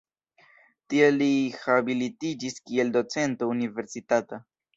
Tie li habilitiĝis kiel docento universitata.